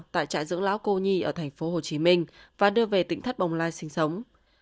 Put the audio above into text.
tại trại dưỡng lão cô nhi ở thành phố hồ chí minh và đưa về tỉnh thất bồng lai sinh sống